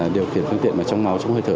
điều khiển phương tiện trong máu trong hơi thở